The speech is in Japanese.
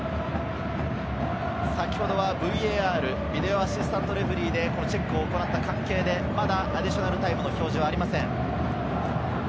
先ほどはＶＡＲ＝ビデオ・アシスタント・レフェリーでチェックを行った関係でまだアディショナルタイムの表示がありません。